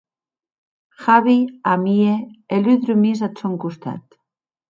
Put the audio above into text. Javi amie e Lu dormís ath sòn costat.